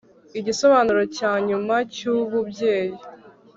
igisobanuro cyanyuma cyububyeyi